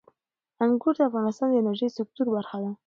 انګور د افغانستان د انرژۍ سکتور برخه ده.